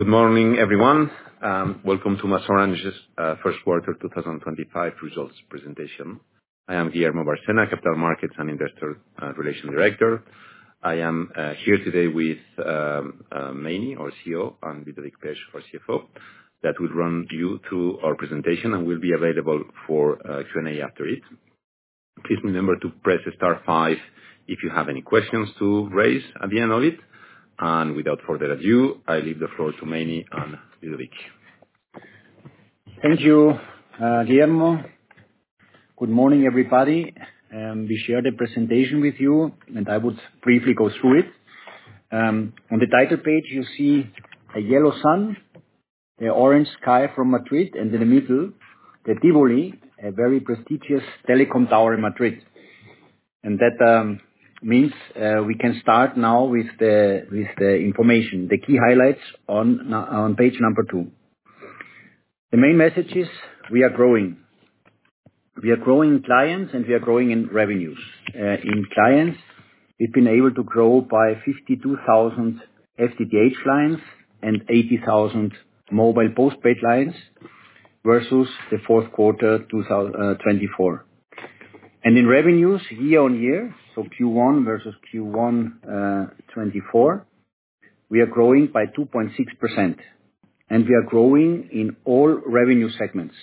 Good morning, everyone. Welcome to MasOrange's first quarter 2025 results presentation. I am Guillermo Bárcena, Capital Markets and Investor Relations Director. I am here today with Meini, our CEO, and Ludovic Pech, our CFO, that will run you through our presentation and will be available for Q&A after it. Please remember to press the star five if you have any questions to raise at the end of it. Without further ado, I leave the floor to Meini and Ludovic. Thank you, Guillermo. Good morning, everybody. We shared the presentation with you, and I would briefly go through it. On the title page, you see a yellow sun, the orange sky from Madrid, and in the middle, the El Pirulí, a very prestigious telecom tower in Madrid. That means we can start now with the information, the key highlights on page number two. The main message is we are growing. We are growing in clients, and we are growing in revenues. In clients, we have been able to grow by 52,000 FTTH lines and 80,000 mobile postpaid lines versus the fourth quarter 2024. In revenues, year on year, so Q1 versus Q1 2024, we are growing by 2.6%, and we are growing in all revenue segments.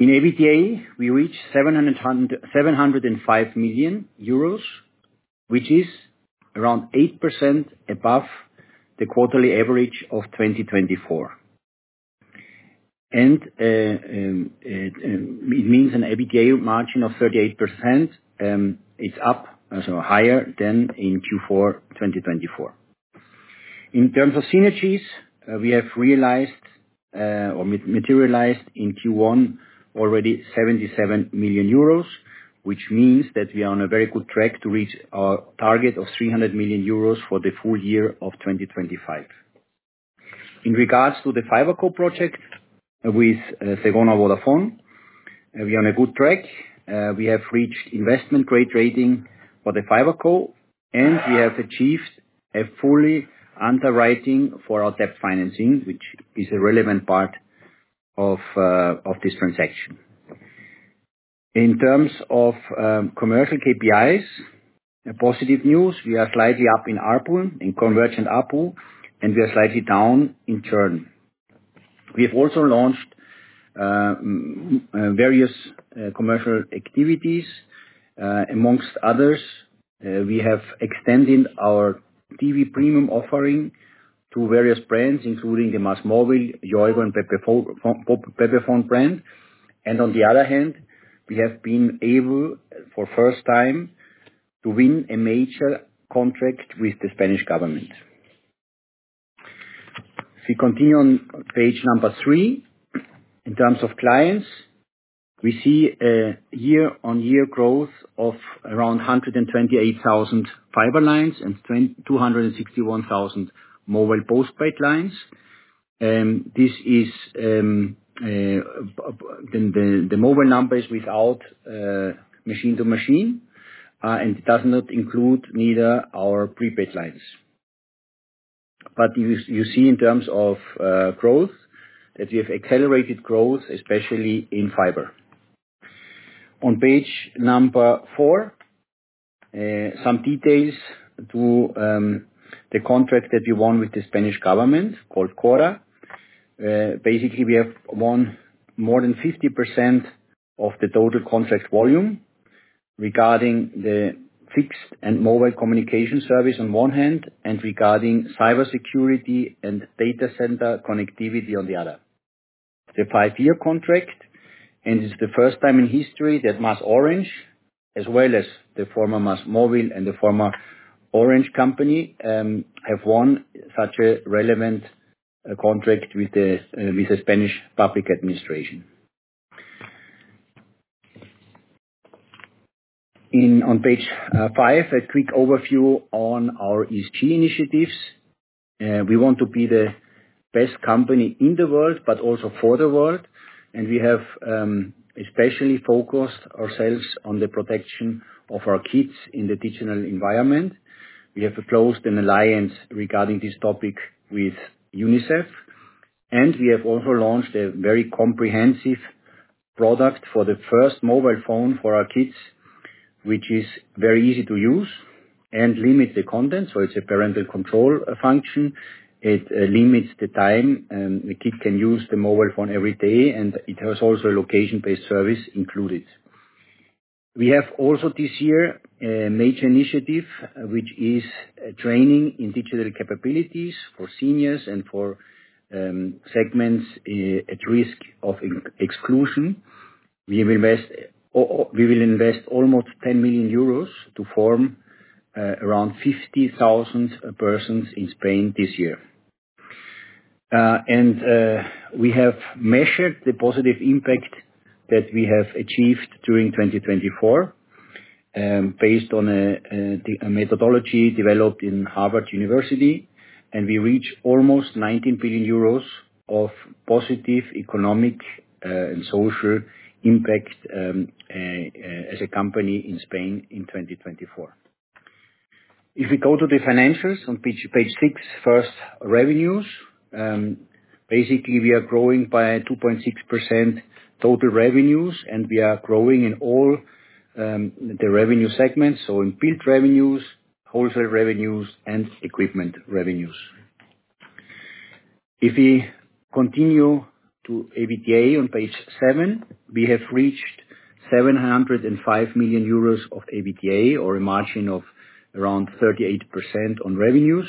In EBITDA, we reached 705 million euros, which is around 8% above the quarterly average of 2024. It means an EBITDA margin of 38%. It's up, so higher than in Q4 2024. In terms of synergies, we have realized or materialized in Q1 already 77 million euros, which means that we are on a very good track to reach our target of 300 million euros for the full year of 2025. In regards to the FiberCo project with Vodafone, we are on a good track. We have reached investment-grade rating for the FiberCo, and we have achieved a fully underwritten for our debt financing, which is a relevant part of this transaction. In terms of commercial KPIs, positive news. We are slightly up in ARPU, in convergent ARPU, and we are slightly down in churn. We have also launched various commercial activities. Amongst others, we have extended our premium TV offering to various brands, including the MásMóvil, Yoigo, and Pepephone brand. On the other hand, we have been able, for the first time, to win a major contract with the Spanish government. If we continue on page number three, in terms of clients, we see a year-on-year growth of around 128,000 fiber lines and 261,000 mobile postpaid lines. This is the mobile numbers without machine-to-machine, and it does not include either our prepaid lines. You see, in terms of growth, that we have accelerated growth, especially in fiber. On page number four, some details to the contract that we won with the Spanish government called CORA. Basically, we have won more than 50% of the total contract volume regarding the fixed and mobile communication service on one hand, and regarding cybersecurity and data center connectivity on the other. It's a five-year contract, and it's the first time in history that MasOrange, as well as the former MásMóvil and the former Orange company, have won such a relevant contract with the Spanish public administration. On page five, a quick overview on our ESG initiatives. We want to be the best company in the world, but also for the world, and we have especially focused ourselves on the protection of our kids in the digital environment. We have closed an alliance regarding this topic with UNICEF, and we have also launched a very comprehensive product for the first mobile phone for our kids, which is very easy to use and limits the content. It is a parental control function. It limits the time the kid can use the mobile phone every day, and it has also a location-based service included. We have also this year a major initiative, which is training in digital capabilities for seniors and for segments at risk of exclusion. We will invest almost 10 million euros to form around 50,000 persons in Spain this year. We have measured the positive impact that we have achieved during 2024 based on a methodology developed in Harvard University, and we reached almost 19 billion euros of positive economic and social impact as a company in Spain in 2024. If we go to the financials on page six, first revenues, basically, we are growing by 2.6% total revenues, and we are growing in all the revenue segments, in built revenues, wholesale revenues, and equipment revenues. If we continue to EBITDA on page seven, we have reached 705 million euros of EBITDA, or a margin of around 38% on revenues.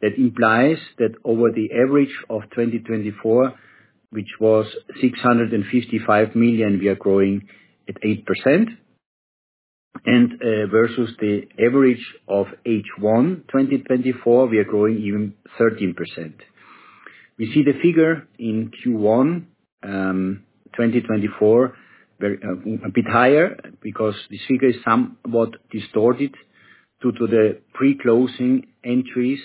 That implies that over the average of 2024, which was 655 million, we are growing at 8%, and versus the average of H1 2024, we are growing even 13%. We see the figure in Q1 2024 a bit higher because this figure is somewhat distorted due to the pre-closing entries.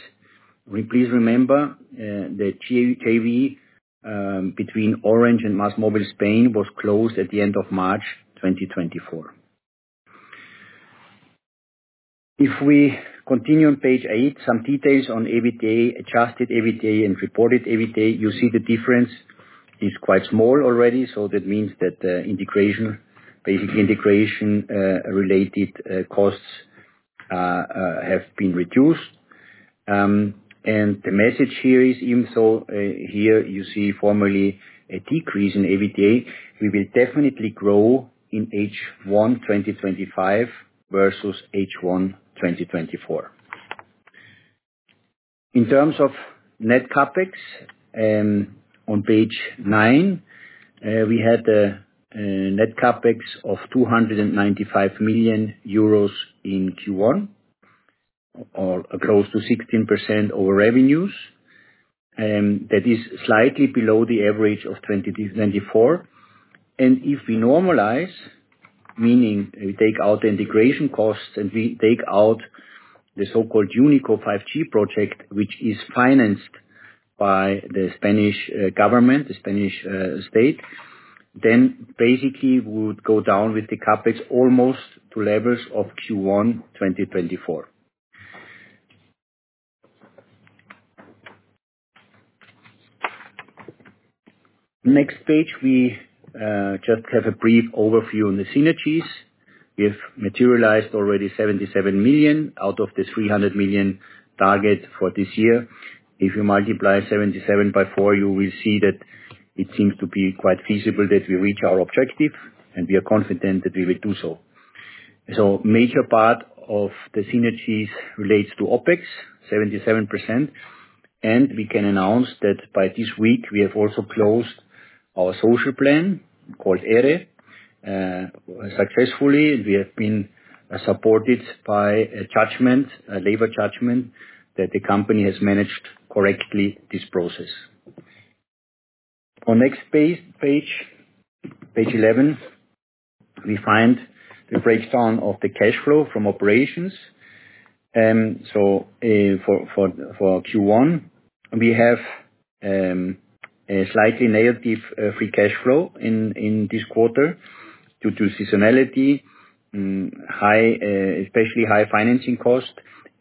Please remember the JV between Orange and MásMóvil Spain was closed at the end of March 2024. If we continue on page eight, some details on EBITDA, adjusted EBITDA, and reported EBITDA. You see the difference is quite small already, so that means that integration, basically integration-related costs, have been reduced. The message here is, even though here you see formally a decrease in EBITDA, we will definitely grow in H1 2025 versus H1 2024. In terms of net capex, on page nine, we had a net capex of 295 million euros in Q1, or close to 16% over revenues. That is slightly below the average of 2024. If we normalize, meaning we take out the integration costs and we take out the so-called UNICO 5G project, which is financed by the Spanish government, the Spanish state, then basically we would go down with the capex almost to levels of Q1 2024. Next page, we just have a brief overview on the synergies. We have materialized already 77 million out of the 300 million target for this year. If you multiply 77 by 4, you will see that it seems to be quite feasible that we reach our objective, and we are confident that we will do so. A major part of the synergies relates to OPEX, 77%, and we can announce that by this week we have also closed our social plan called ERE successfully, and we have been supported by a judgment, a labor judgment, that the company has managed correctly this process. On next page, page 11, we find the breakdown of the cash flow from operations. For Q1, we have a slightly negative free cash flow in this quarter due to seasonality, especially high financing costs,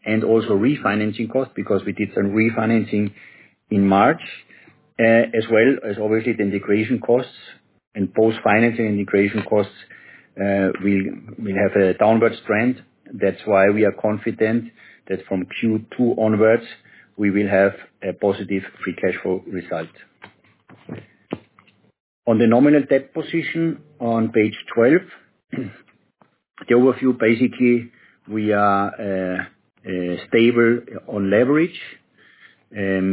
and also refinancing costs because we did some refinancing in March, as well as obviously the integration costs and post-financing integration costs will have a downward trend. That is why we are confident that from Q2 onwards we will have a positive free cash flow result. On the nominal debt position on page 12, the overview basically we are stable on leverage. As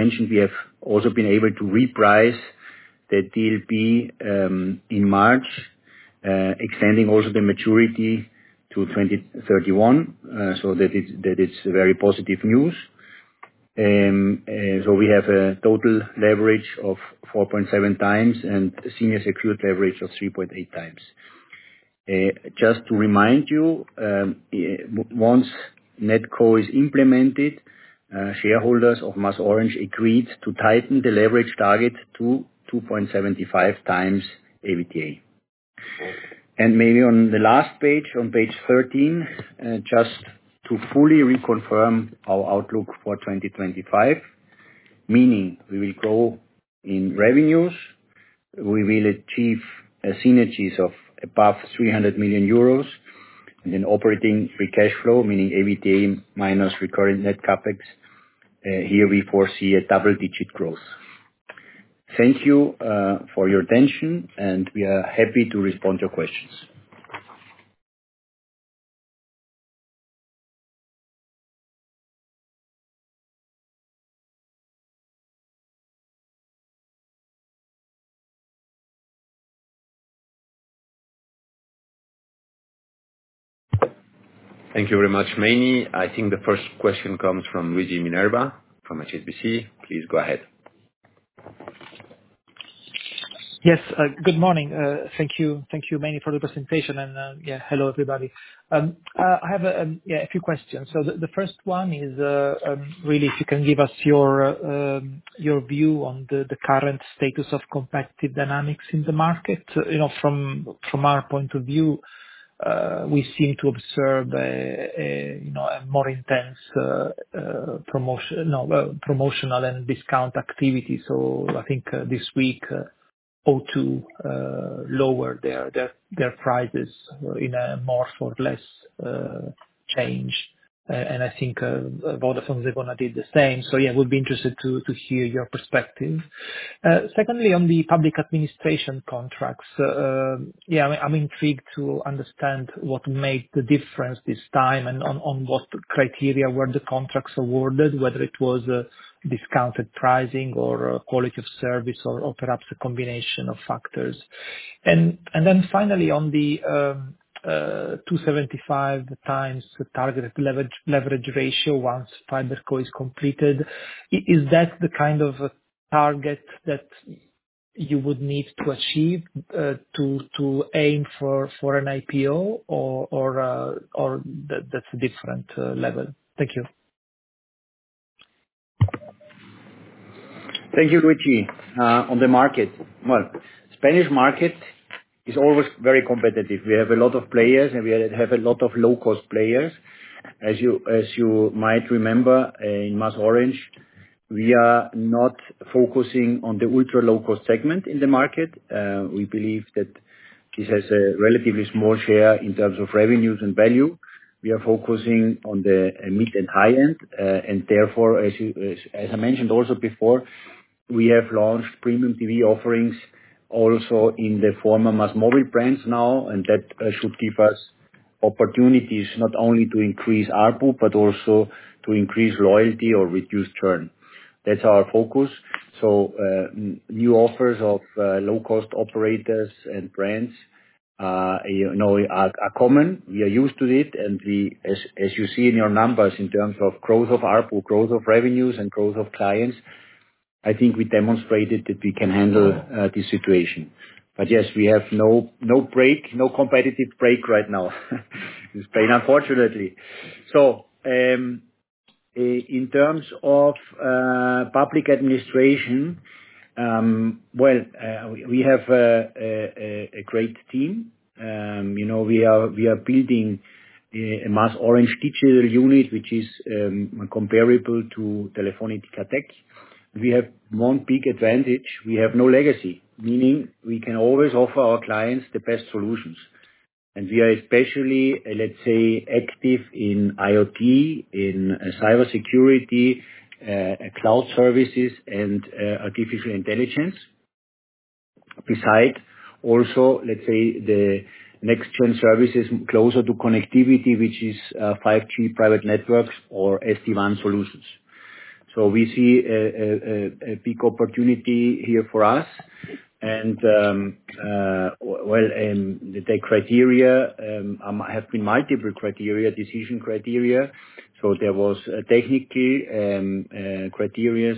mentioned, we have also been able to reprice the DLP in March, extending also the maturity to 2031, so that is very positive news. We have a total leverage of 4.7 times and senior secured leverage of 3.8 times. Just to remind you, once NetCo is implemented, shareholders of MasOrange agreed to tighten the leverage target to 2.75 times EBITDA. On the last page, on page 13, just to fully reconfirm our outlook for 2025, we will grow in revenues, we will achieve synergies of above 300 million euros in operating free cash flow, meaning EBITDA minus recurrent net capex. Here we foresee a double-digit growth. Thank you for your attention, and we are happy to respond to your questions. Thank you very much, Meini. I think the first question comes from Luigi Minerva from HSBC. Please go ahead. Yes, good morning. Thank you, Meini, for the presentation. Yeah, hello, everybody. I have a few questions. The first one is really if you can give us your view on the current status of competitive dynamics in the market. From our point of view, we seem to observe a more intense promotional and discount activity. I think this week O2 lowered their prices in a more or less change. I think Vodafone and Segona did the same. We'd be interested to hear your perspective. Secondly, on the public administration contracts, I'm intrigued to understand what made the difference this time and on what criteria were the contracts awarded, whether it was discounted pricing or quality of service or perhaps a combination of factors. Finally, on the 2.75 times targeted leverage ratio once FiberCo is completed, is that the kind of target that you would need to achieve to aim for an IPO, or is that a different level? Thank you. Thank you, Luigi. On the market, the Spanish market is always very competitive. We have a lot of players, and we have a lot of low-cost players. As you might remember, in MasOrange, we are not focusing on the ultra-low-cost segment in the market. We believe that this has a relatively small share in terms of revenues and value. We are focusing on the mid and high end. As I mentioned also before, we have launched premium TV offerings also in the former MásMóvil brands now, and that should give us opportunities not only to increase ARPU, but also to increase loyalty or reduce churn. That is our focus. New offers of low-cost operators and brands are common. We are used to it. As you see in your numbers in terms of growth of ARPU, growth of revenues, and growth of clients, I think we demonstrated that we can handle this situation. Yes, we have no break, no competitive break right now in Spain, unfortunately. In terms of public administration, we have a great team. We are building a MasOrange digital unit, which is comparable to Telefónica Tech. We have one big advantage. We have no legacy, meaning we can always offer our clients the best solutions. We are especially, let's say, active in IoT, in cybersecurity, cloud services, and artificial intelligence, besides also, let's say, the next-gen services closer to connectivity, which is 5G private networks or SD-WAN solutions. We see a big opportunity here for us. The criteria have been multiple criteria, decision criteria. There were technical criteria,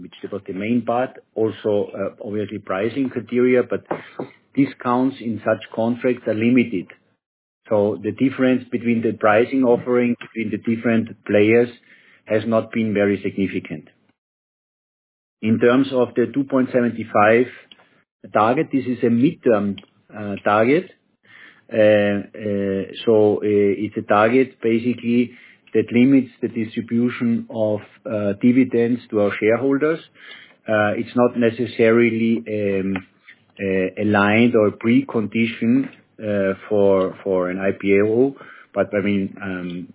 which was the main part, also obviously pricing criteria, but discounts in such contracts are limited. The difference between the pricing offering between the different players has not been very significant. In terms of the 2.75 target, this is a midterm target. It is a target basically that limits the distribution of dividends to our shareholders. It is not necessarily aligned or preconditioned for an IPO, but I mean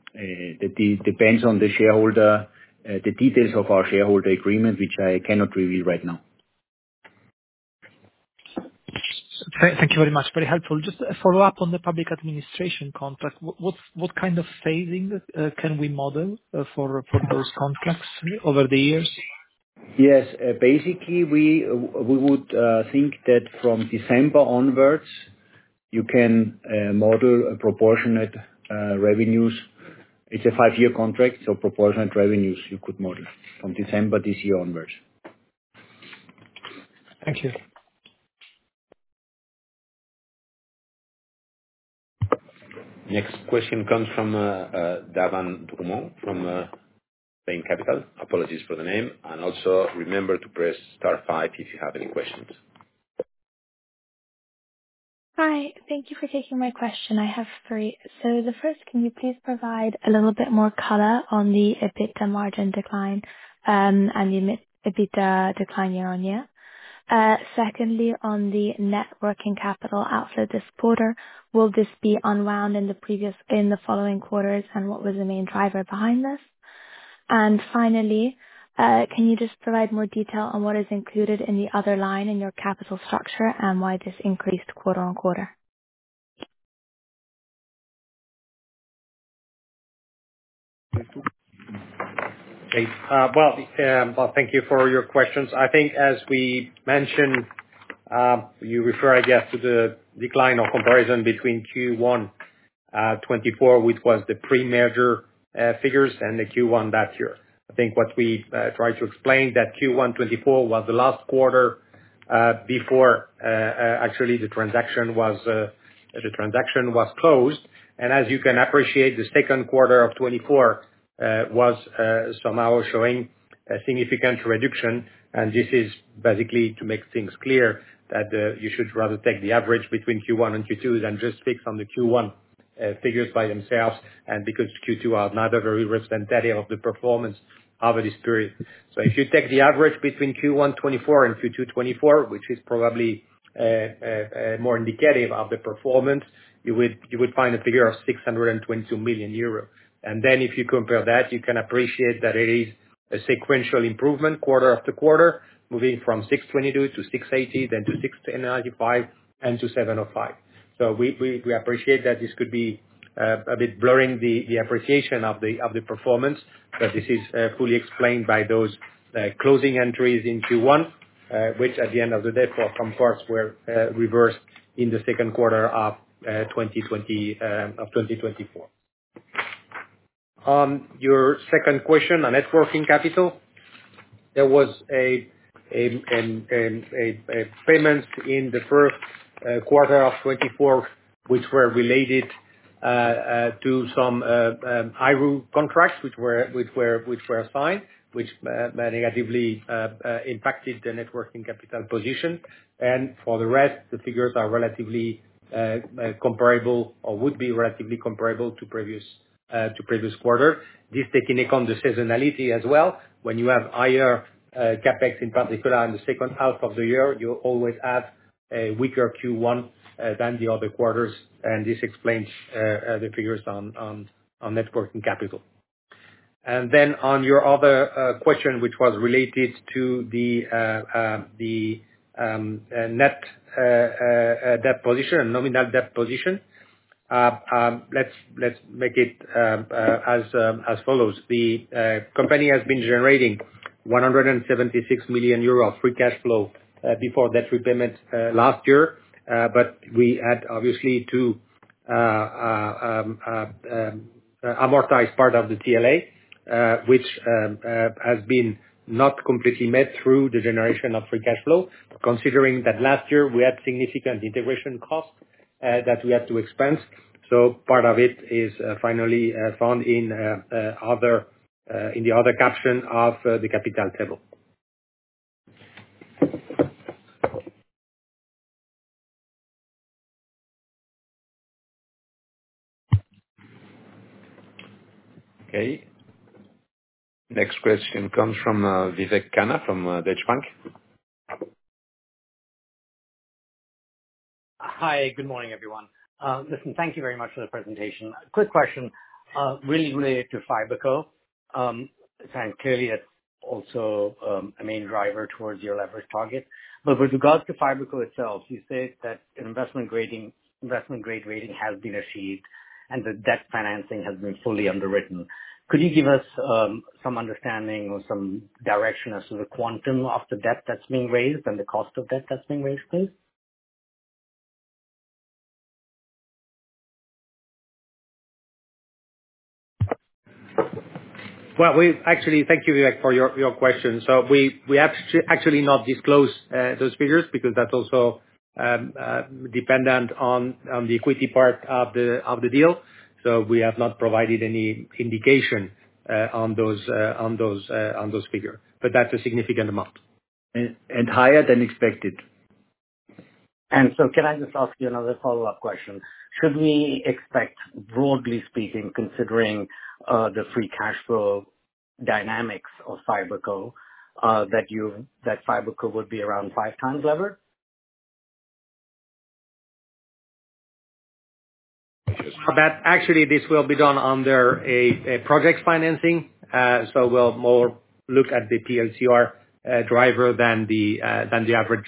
that it depends on the details of our shareholder agreement, which I cannot reveal right now. Thank you very much. Very helpful. Just a follow-up on the public administration contract. What kind of phasing can we model for those contracts over the years? Yes. Basically, we would think that from December onwards, you can model proportionate revenues. It's a five-year contract, so proportionate revenues you could model from December this year onwards. Thank you. Next question comes from Davina Drummond from Spain Capital. Apologies for the name. Also remember to press star five if you have any questions. Hi. Thank you for taking my question. I have three. The first, can you please provide a little bit more color on the EBITDA margin decline and the EBITDA decline year on year? Secondly, on the net working capital outflow this quarter, will this be unwound in the following quarters, and what was the main driver behind this? Finally, can you just provide more detail on what is included in the other line in your capital structure and why this increased quarter on quarter? Thank you for your questions. I think as we mentioned, you refer, I guess, to the decline or comparison between Q1 2024, which was the pre-merger figures, and the Q1 that year. I think what we tried to explain is that Q1 2024 was the last quarter before actually the transaction was closed. As you can appreciate, the second quarter of 2024 was somehow showing a significant reduction. This is basically to make things clear that you should rather take the average between Q1 and Q2 than just fix on the Q1 figures by themselves, because Q2 is neither very representative of the performance over this period. If you take the average between Q1 2024 and Q2 2024, which is probably more indicative of the performance, you would find a figure of 622 million euro. If you compare that, you can appreciate that it is a sequential improvement quarter after quarter, moving from 622 million to 680 million, then to 695 million, and to 705 million. We appreciate that this could be a bit blurring the appreciation of the performance, but this is fully explained by those closing entries in Q1, which at the end of the day for some parts were reversed in the second quarter of 2024. Your second question, on networking capital, there was a payment in the first quarter of 2024, which were related to some IRU contracts which were signed, which negatively impacted the networking capital position. For the rest, the figures are relatively comparable or would be relatively comparable to previous quarters. This taking account of the seasonality as well. When you have higher capex, in particular in the second half of the year, you always have a weaker Q1 than the other quarters. This explains the figures on networking capital. On your other question, which was related to the net debt position, nominal debt position, let's make it as follows. The company has been generating 176 million euro free cash flow before debt repayment last year, but we had obviously to amortize part of the TLA, which has been not completely met through the generation of free cash flow, considering that last year we had significant integration costs that we had to expense. Part of it is finally found in the other caption of the capital table. Okay. Next question comes from Vivek Shankar from Deutsche Bank. Hi. Good morning, everyone. Listen, thank you very much for the presentation. Quick question, really related to FiberCo. And clearly, it's also a main driver towards your leverage target. With regard to FiberCo itself, you said that investment-grade rating has been achieved, and the debt financing has been fully underwritten. Could you give us some understanding or some direction as to the quantum of the debt that's being raised and the cost of debt that's being raised, please? Actually, thank you, Vivek, for your question. We actually not disclose those figures because that's also dependent on the equity part of the deal. We have not provided any indication on those figures. That's a significant amount. And higher than expected. Can I just ask you another follow-up question? Should we expect, broadly speaking, considering the free cash flow dynamics of FiberCo, that FiberCo would be around five times levered? Actually, this will be done under a project financing. So we'll more look at the PLCR driver than the average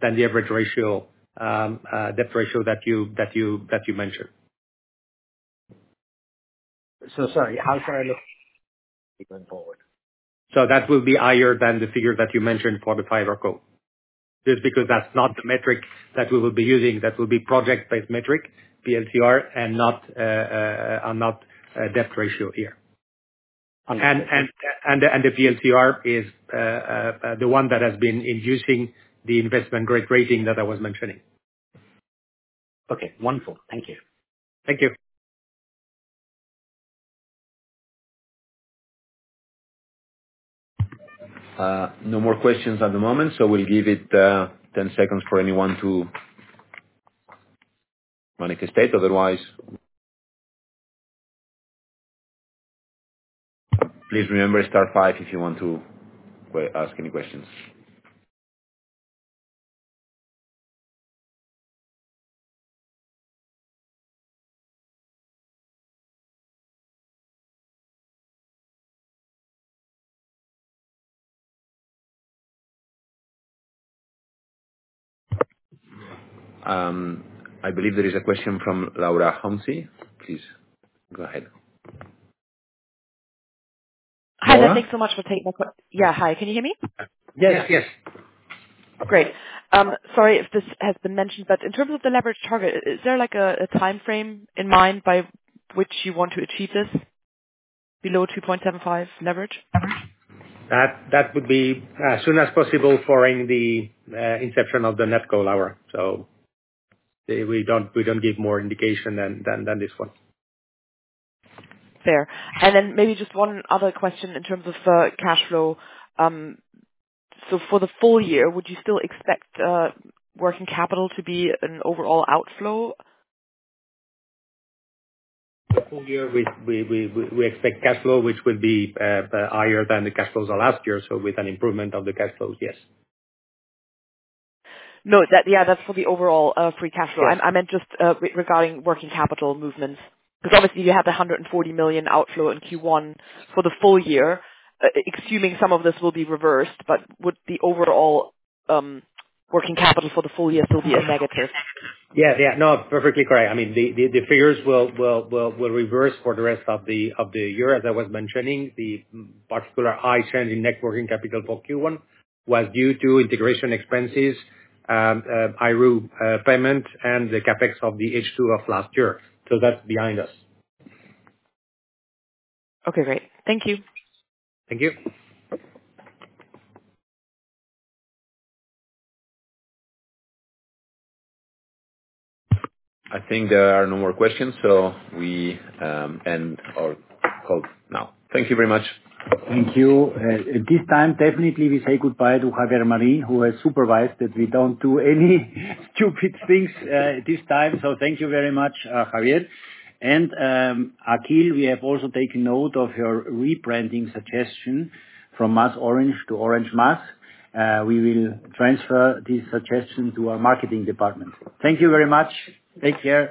debt ratio that you mentioned. Sorry, how should I look? Going forward, that will be higher than the figure that you mentioned for the FiberCo, just because that's not the metric that we will be using. That will be project-based metric, PLCR, and not debt ratio here. The PLCR is the one that has been inducing the investment-grade rating that I was mentioning. Okay. Wonderful. Thank you. Thank you. No more questions at the moment. We'll give it 10 seconds for anyone to manifest state. Otherwise, please remember star five if you want to ask any questions. I believe there is a question from Laura Homsy. Please go ahead. Hi. Thanks so much for taking my question. Yeah. Hi. Can you hear me? Yes. Yes. Great. Sorry if this has been mentioned, but in terms of the leverage target, is there a timeframe in mind by which you want to achieve this below 2.75 leverage? That would be as soon as possible following the inception of the NetCo hour. We do not give more indication than this one. Fair. Maybe just one other question in terms of cash flow. For the full year, would you still expect working capital to be an overall outflow? For the full year, we expect cash flow, which would be higher than the cash flows of last year. With an improvement of the cash flows, yes. No. Yeah. That is for the overall free cash flow. I meant just regarding working capital movements. Because obviously, you have the 140 million outflow in Q1 for the full year. Assuming some of this will be reversed, but would the overall working capital for the full year still be a negative? Yeah. Yeah. No. Perfectly correct. I mean, the figures will reverse for the rest of the year, as I was mentioning. The particular high change in working capital for Q1 was due to integration expenses, IRU payment, and the capex of the H2 of last year. That is behind us. Okay. Great. Thank you. Thank you. I think there are no more questions, so we end our call now. Thank you very much. Thank you. This time, definitely, we say goodbye to Javier Marin, who has supervised that we do not do any stupid things this time. Thank you very much, Javier. Akhil, we have also taken note of your rebranding suggestion from MasOrange to Orange Mass. We will transfer this suggestion to our marketing department. Thank you very much. Take care.